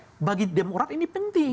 oh bagi demokrasi ini penting